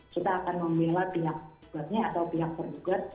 kita akan membela pihak gugatnya atau pihak terdugat